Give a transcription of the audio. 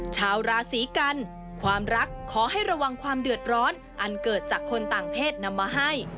ชาวราศีกันความรักขอให้ระวังความเดือดร้อนอันเกิดจากคนต่างเพศนำมาให้